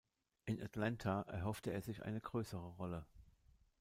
In Atlanta erhoffte er sich eine größere Rolle.